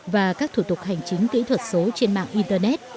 và các thủ tục hành chính kỹ thuật số trên mạng internet